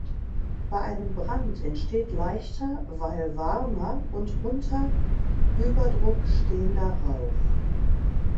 Bei einem Brand entsteht leichter (weil warmer) und unter Überdruck stehender Rauch.